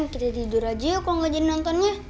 kalau gak jadi nontonnya